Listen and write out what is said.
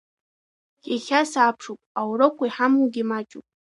Иахьа сабшоуп, аурокқәа иҳамоугьы маҷуп.